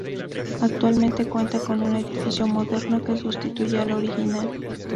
Actualmente cuenta con un edificio moderno que sustituye al original.